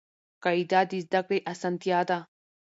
قاعده د زده کړي اسانتیا ده.